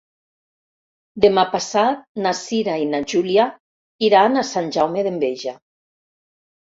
Demà passat na Cira i na Júlia iran a Sant Jaume d'Enveja.